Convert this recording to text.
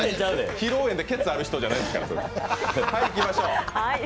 披露宴でケツある人じゃないですか、それ。